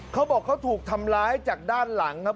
เขาบอกเขาถูกทำร้ายจากด้านหลังครับ